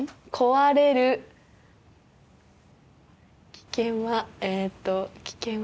危険はえっと危険は。